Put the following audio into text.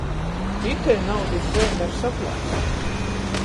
Itei naudys zeime ir saplāsta.